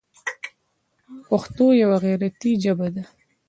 پښتو یوه غیرتي ژبه ده.